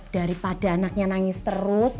daripada anaknya nangis terus